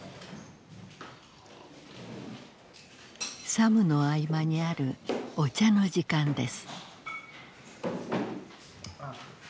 作務の合間にあるお茶の時間です。